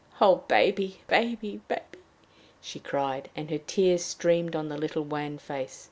"O baby! baby! baby!" she cried, and her tears streamed on the little wan face.